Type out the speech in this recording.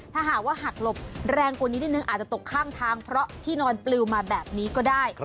ถ้าหากว่าหักหลบแรงกว่านี้นิดนึงอาจจะตกข้างทางเพราะที่นอนปลิวมาแบบนี้ก็ได้